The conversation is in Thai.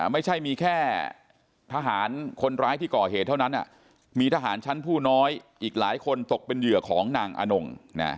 ไม่ใช่มีแค่ทหารคนร้ายที่ก่อเหตุเท่านั้นมีทหารชั้นผู้น้อยอีกหลายคนตกเป็นเหยื่อของนางอนง